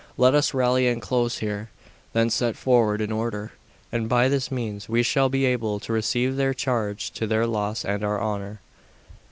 Let us rally and close here, then set forward in order, and by this means we shall be able to receive their charge to their loss and our honour.